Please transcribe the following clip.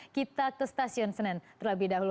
kita ke stasiun senen terlebih dahulu